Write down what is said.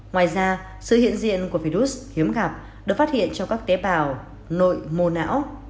ngoài ra sự hiện diện của virus hiếm gặp được phát hiện trong các tế bào nội mô não